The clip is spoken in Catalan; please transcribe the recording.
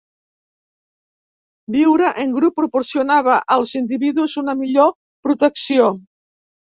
Viure en grup proporcionava als individus una millor protecció.